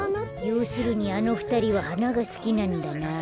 ようするにあのふたりははながすきなんだなあ。